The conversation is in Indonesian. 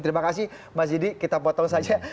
terima kasih mas didi kita potong saja